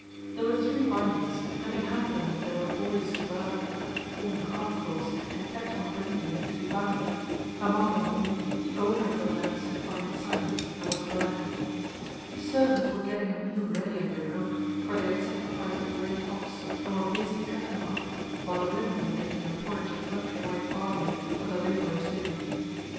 There were three binders, and behind them there were boys who gathered the cut corn in armfuls and kept on bringing them to be bound: among them all the owner of the land stood by in silence and was glad. The servants were getting a meal ready under an oak, for they had sacrificed a great ox, and were busy cutting him up, while the women were making a porridge of much white barley for the labourers' dinner.